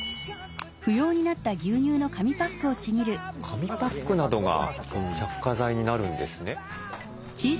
紙パックなどが着火剤になるんですね。